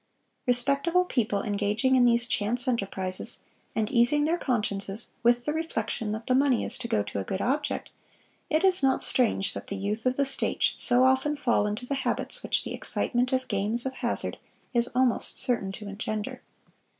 Respectable people engaging in these chance enterprises, and easing their consciences with the reflection that the money is to go to a good object, it is not strange that the youth of the State should so often fall into the habits which the excitement of games of hazard is almost certain to engender."